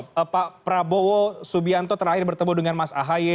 pak prabowo subianto terakhir bertemu dengan mas ahaye